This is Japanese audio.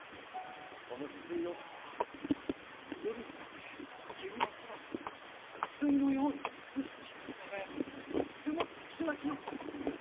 このヒスイオオダケは夜になって気温が下がるとヒスイのように美しく光りかがやくとても特しゅなキノコです。